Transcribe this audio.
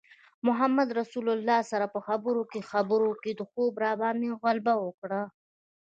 محمدرسول سره په خبرو خبرو کې خوب راباندې غلبه وکړه.